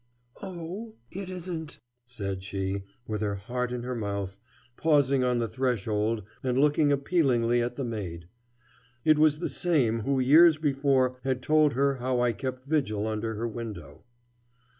"Oh, it isn't ?" said she, with her heart in her mouth, pausing on the threshold and looking appealingly at the maid. It was the same who years before had told her how I kept vigil under her window.